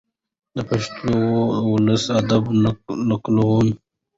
د پښتو د ولسي ادب نکلونه،